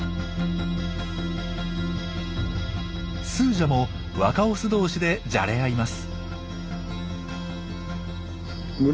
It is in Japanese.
スージャも若オス同士でじゃれ合います。